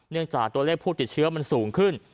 จากตัวเลขผู้ติดเชื้อมันสูงขึ้น